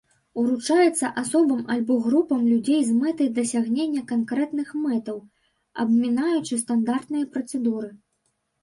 Уручаецца асобам альбо групам людзей з мэтай дасягнення канкрэтных мэтаў, абмінаючы стандартныя працэдуры.